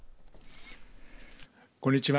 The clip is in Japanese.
こんにちは。